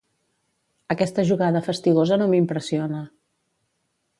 Aquesta jugada fastigosa no m'impressiona.